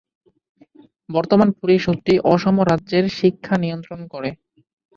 বর্তমান পরিষদটি অসম রাজ্যের শিক্ষা নিয়ন্ত্রণ করে।